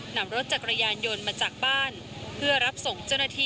หนำรถจักรยานยนต์มาจากบ้าน